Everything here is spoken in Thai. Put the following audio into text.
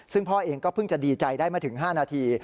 ซึ่งพ่อเองก็เพิ่งจะดีใจได้ไม่ถึง๕นาที